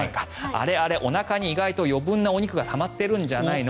あれ、あれおなかに意外と余分なお肉がたまってるんじゃないの？